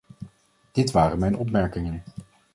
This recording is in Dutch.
Dit waren mijn opmerkingen.